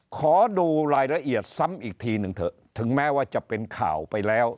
ขอดูรายละเอียดซ้ำอีกทีหนึ่งเถอะถึงแม้ว่าจะเป็นข่าวไปแล้ว